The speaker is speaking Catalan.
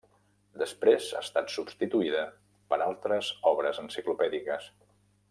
Després ha estat substituïda per altres obres enciclopèdiques.